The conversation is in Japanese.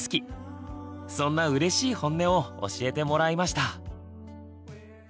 そんなうれしいホンネを教えてもらいました。